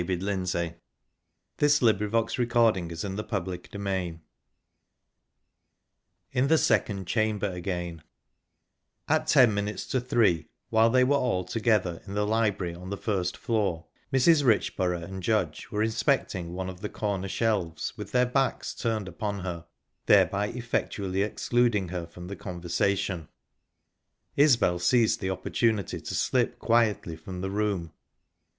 Isbel glanced at her watch. It was half past one. Chapter XIV IN THE SECOND CHAMBER AGAIN At ten minutes to three, while they were all together in the library on the first floor, Mrs. Richborough and Judge were inspecting one of the corner shelves, with their backs turned upon her thereby effectually excluding her from the conversation Isbel seized the opportunity to slip quietly from the room.